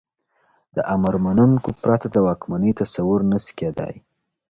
د امرمنونکو پرته د واکمنۍ تصور نسي کېدای.